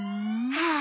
はあ！